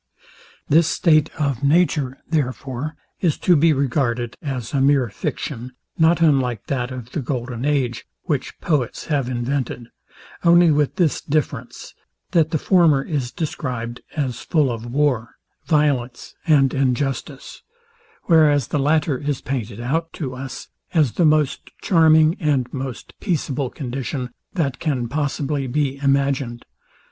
This state of nature, therefore, is to be regarded as a mere fiction, not unlike that of the golden age, which poets have invented; only with this difference, that the former is described as full of war, violence and injustice; whereas the latter is pointed out to us, as the most charming and most peaceable condition, that can possibly be imagined.